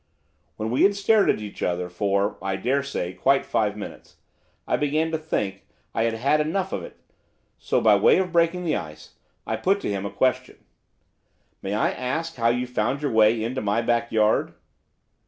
When we had stared at each other for, I daresay, quite five minutes, I began to think I had had about enough of it. So, by way of breaking the ice, I put to him a question. 'May I ask how you found your way into my back yard?